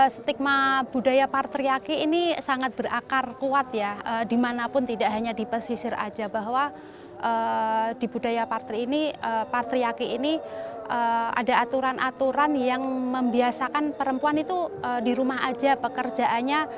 stigma budaya patriarki ini sangat berakar kuat dimanapun tidak hanya di pesisir saja bahwa di budaya patriarki ini ada aturan aturan yang membiasakan perempuan itu di rumah saja pekerjaannya